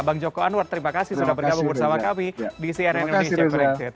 bang joko anwar terima kasih sudah bergabung bersama kami di cnn indonesia breaking